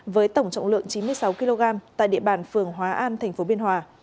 với tổng trọng lượng chín mươi sáu kg tại địa bàn phường hóa an tp biên hòa